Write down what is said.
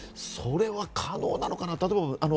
それは可能なのかなと。